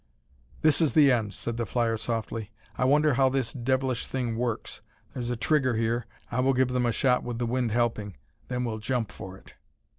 "This is the end," said the flyer softly. "I wonder how this devilish thing works; there's a trigger here. I will give them a shot with the wind helping, then we'll jump for it."